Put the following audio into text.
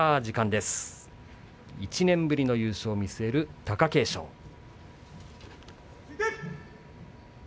１年ぶりの優勝を見据える貴景勝です。